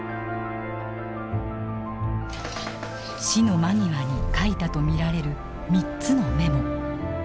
死の間際に書いたと見られる３つのメモ。